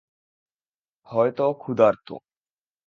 হয়তো ও ক্ষুধার্ত।